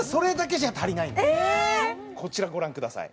こちらご覧ください